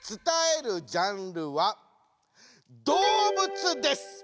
伝えるジャンルは「動物」です！